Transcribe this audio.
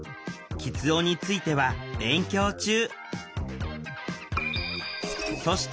きつ音については勉強中。